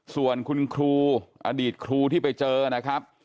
ส่วนคุณครูอดีตครูที่ไปเจอนะครับ